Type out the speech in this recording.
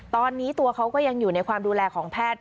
ตอนนี้ตัวเขาก็ยังอยู่ในความดูแลของแพทย์